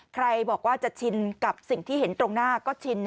ใครบอกว่าจะชินกับสิ่งที่เห็นตรงหน้าก็ชิน